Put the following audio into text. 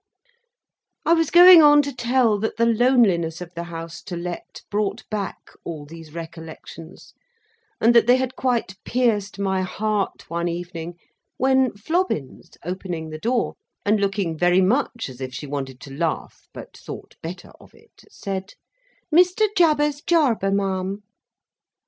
—I was going on to tell that the loneliness of the House to Let brought back all these recollections, and that they had quite pierced my heart one evening, when Flobbins, opening the door, and looking very much as if she wanted to laugh but thought better of it, said: "Mr. Jabez Jarber, ma'am!"